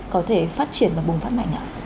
có thể phát triển và bùng phát mạnh hả